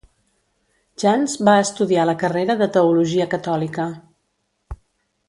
Jans va estudiar la carrera de teologia catòlica.